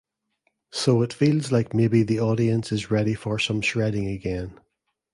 So it feels like maybe the audience is ready for some shredding again.